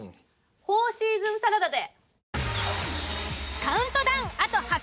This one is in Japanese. フォーシーズンサラダで。